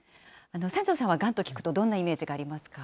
三條さんはがんと聞くと、どんなイメージがありますか。